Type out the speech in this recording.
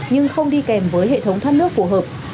nhưng không đi kèm với hệ thống thoát nước phù hợp